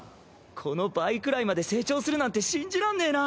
この倍くらいまで成長するなんて信じらんねぇな。